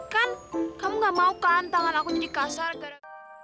kan kamu gak mau kan tangan aku jadi kasar